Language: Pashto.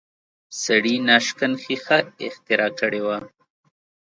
سړي ناشکن ښیښه اختراع کړې وه